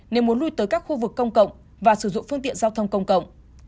nếu muốn lui tới các khu vực công cộng và sử dụng phương tiện giao thông công cộng